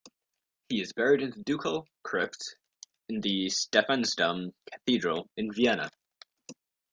He is buried in the Ducal Crypt in the Stephansdom cathedral in Vienna.